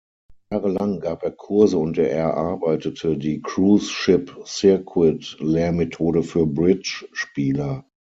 Jahrelang gab er Kurse und erarbeitete die „cruise ship circuit“-Lehrmethode für Bridge-Spieler.